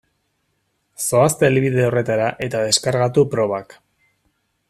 Zoazte helbide horretara eta deskargatu probak.